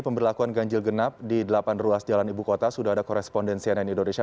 pemberlakuan ganjil genap di delapan ruas jalan ibu kota sudah ada korespondensi ann indonesia